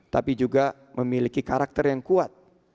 tapi juga memiliki karakter yang kuat